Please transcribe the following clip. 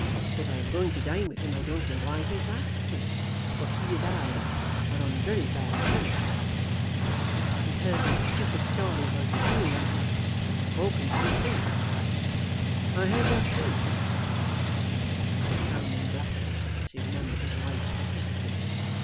Though I am going to dine with him I don't know why he has asked me; for he and I are on very bad terms. He heard that stupid story about the duel, and has not spoken to me since." "I heard that, too," said Mr. Kennedy, frowning blackly as he remembered his wife's duplicity.